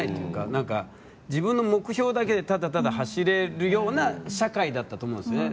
なんか、自分の目標だけでただただ走れるような社会だったと思うんですね。